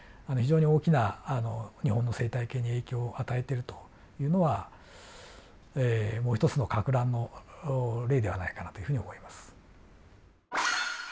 非常に大きな日本の生態系に影響を与えてるというのはもう一つのかく乱の例ではないかなというふうに思います。